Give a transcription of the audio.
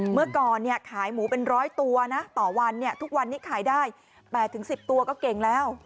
เมื่อก่อนขายหมูเป็นร้อยตัวนะต่อวันทุกวันนี้ขายได้๘๑๐ตัวก็เก่งแล้ว